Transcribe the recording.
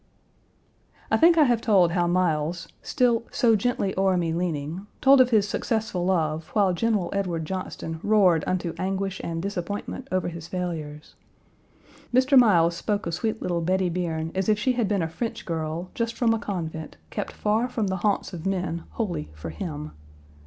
I think I have told how Miles, still "so gently o'er me leaning," told of his successful love while General Edward Johnston roared unto anguish and disappointment over his failures. Mr. Miles spoke of sweet little Bettie Bierne as if she had been a French girl, just from a convent, kept far from the haunts of men wholly for him.